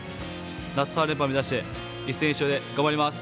夏春連覇を目指して一戦必勝で頑張ります。